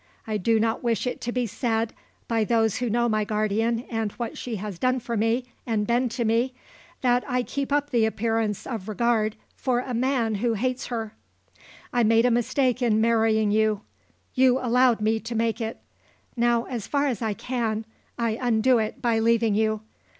I do not wish it to be said by those who know my guardian and what she has done for me and been to me that I keep up the appearance of regard for a man who hates her. I made a mistake in marrying you; you allowed me to make it. Now, as far as I can, I undo it by leaving you.